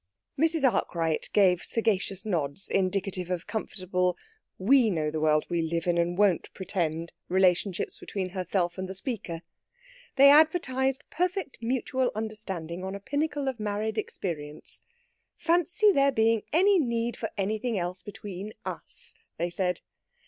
Mrs. Arkwright gave sagacious nods, indicative of comfortable "we know the world we live in and won't pretend" relationships between herself and the speaker. They advertised perfect mutual understanding on a pinnacle of married experience. Fancy there being any need for anything else between us! they said.